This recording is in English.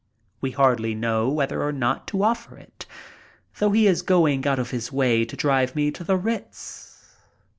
We hardly know whether or not to offer it, though he is going out of his way to drive me to the Ritz.